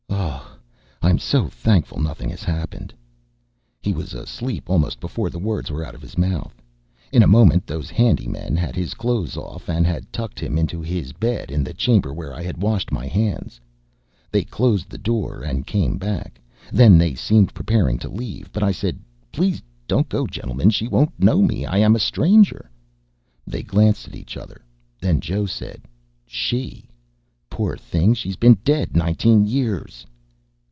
"Oh, I'm SO thankful nothing has happened!" He was asleep almost before the words were out of his mouth. In a moment those handy men had his clothes off, and had tucked him into his bed in the chamber where I had washed my hands. They closed the door and came back. Then they seemed preparing to leave; but I said: "Please don't go, gentlemen. She won't know me; I am a stranger." They glanced at each other. Then Joe said: "She? Poor thing, she's been dead nineteen years!"